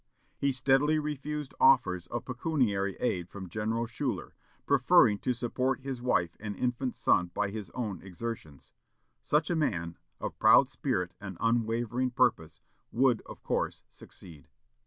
He steadily refused offers of pecuniary aid from General Schuyler, preferring to support his wife and infant son by his own exertions. Such a man, of proud spirit and unwavering purpose, would, of course, succeed.